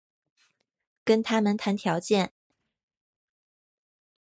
跟他们谈条件